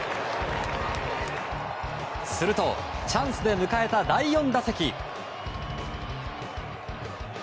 するとチャンスで迎えた第４打席。